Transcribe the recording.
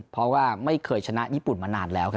เพราะว่าไม่เคยชนะญี่ปุ่นมานานแล้วครับ